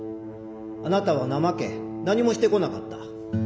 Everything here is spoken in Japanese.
あなたは怠け何もしてこなかった。